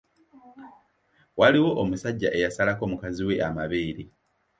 Waliwo omusajja eyasalako mukazi we amabeere!